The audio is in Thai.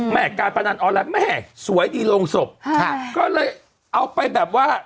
การพนันออนไลน์แม่สวยดีโรงศพก็เลยเอาไปแบบว่า